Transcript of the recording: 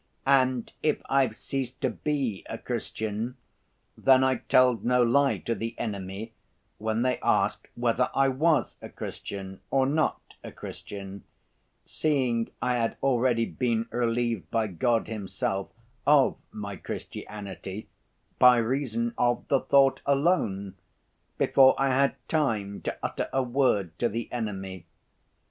"And if I've ceased to be a Christian, then I told no lie to the enemy when they asked whether I was a Christian or not a Christian, seeing I had already been relieved by God Himself of my Christianity by reason of the thought alone, before I had time to utter a word to the enemy.